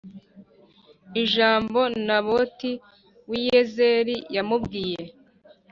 ijambo Naboti w i Yezeli yamubwiye